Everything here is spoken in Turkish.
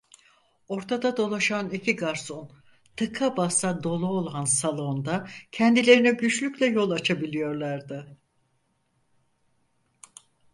Ortada dolaşan iki garson, tıka basa dolu olan salonda kendilerine güçlükle yol açabiliyorlardı.